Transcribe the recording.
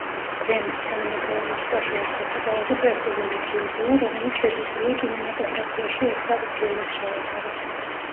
გრემი, თანამედროვე მუსიკაში ერთ-ერთი ყველაზე პრესტიჟული ჯილდოა, რომელიც შეგვიძლია კინემატოგრაფიაში „ოსკარის“ ჯილდოს შევადაროთ.